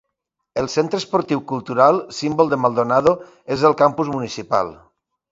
El centre esportiu cultural, símbol de Maldonado, és el Campus Municipal.